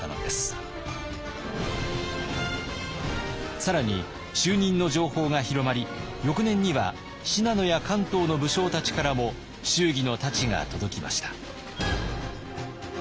さらに就任の情報が広まり翌年には信濃や関東の武将たちからも祝儀の太刀が届きました。